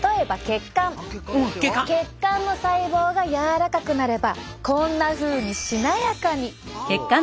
血管の細胞が柔らかくなればこんなふうにしなやかに。